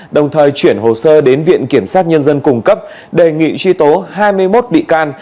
đồng thời chuyển hồ sơ đến viện kiểm sát nhân dân cung cấp đề nghị truy tố hai mươi một bị can